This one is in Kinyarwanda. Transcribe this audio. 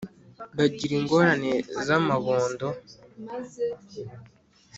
bagira ingorane z’amabondo